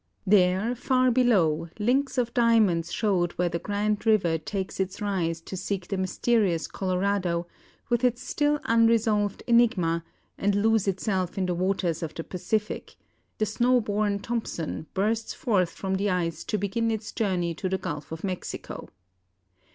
There, far below, links of diamonds showed where the grand river takes its rise to seek the mysterious Colorado, with its still unsolved enigma, and lose itself in the waters of the Pacific; and nearer, the snow born Thompson bursts forth from the ice to begin its journey to the Gulf of Mexico.